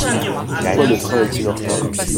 Pourquoi le train est-il en retard ?